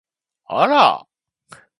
あら！